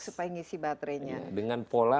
supaya ngisi baterainya dengan pola